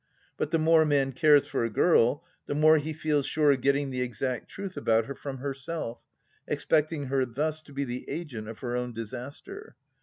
But the more a man cares for a girl, the more he feels sure of getting the exact truth about her from he^elf, expecting her thus to be the agent of her own disaster.